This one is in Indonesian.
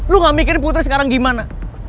lu gak mikirin putri sekarang gimana